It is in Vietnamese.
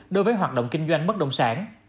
đối với hoạt động kinh doanh bất động sản